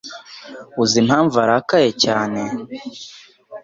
Uzi impamvu arakaye cyane?